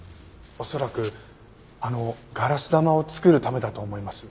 恐らくあのガラス玉を作るためだと思います。